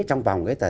trong vòng ấy là